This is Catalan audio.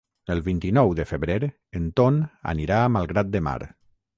El vint-i-nou de febrer en Ton anirà a Malgrat de Mar.